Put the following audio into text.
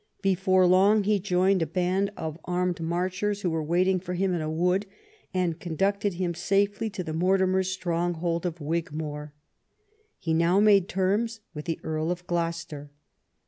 Before long he joined a band of armed Marchers, who were waiting for him in a wood, and conducted him safely to the Mortimers' stronghold of Wigmore. He now made terms with the Earl of Gloucester.